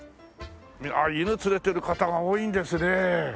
犬連れてる方が多いんですねえ。